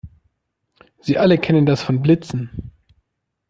Sie alle kennen das von Blitzen.